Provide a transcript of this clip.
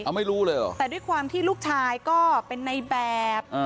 ไม่รู้เลยเหรอแต่ด้วยความที่ลูกชายก็เป็นในแบบ